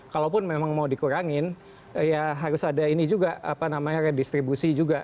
kalaupun memang mau dikurangin ya harus ada ini juga apa namanya redistribusi juga